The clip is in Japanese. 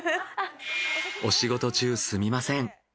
お仕事中すみません。